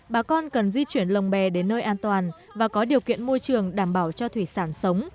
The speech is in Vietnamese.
bà con cần di chuyển lồng bè đến nơi an toàn và có điều kiện môi trường đảm bảo cho thủy sản sống